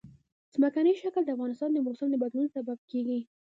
ځمکنی شکل د افغانستان د موسم د بدلون سبب کېږي.